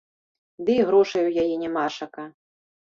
Ды і грошай у яе нямашака.